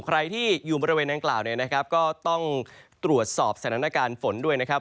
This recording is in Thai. ใครที่อยู่บริเวณดังกล่าวเนี่ยนะครับก็ต้องตรวจสอบสถานการณ์ฝนด้วยนะครับ